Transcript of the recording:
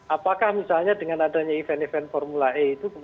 apakah misalnya dengan adanya event event formula e itu